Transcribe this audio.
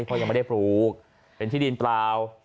เพราะยังไม่ได้ปลูกเป็นที่ดินเปล่า